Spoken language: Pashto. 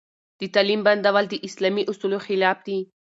د تعليم بندول د اسلامي اصولو خلاف دي.